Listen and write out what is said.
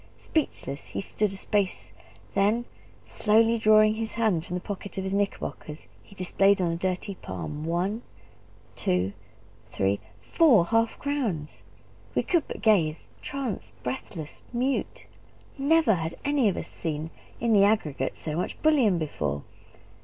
Speechless he stood a space: then, slowly drawing his hand from the pocket of his knickerbockers, he displayed on a dirty palm one two three four half crowns! We could but gaze tranced, breathless, mute; never had any of us seen, in the aggregate, so much bullion before.